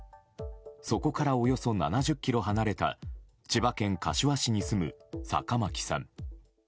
そこからおよそ７０ｋｍ離れた千葉県柏市に住む坂巻さん。